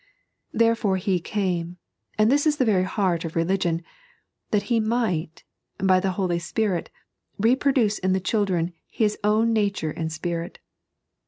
Therefore He came — and this is the very heart of religion — that He might, by the Holy Spirit, reproduce in the children His own nature and Spirit.